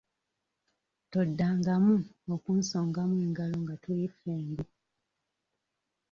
Toddangamu onkusongamu engalo nga tuli ffembi.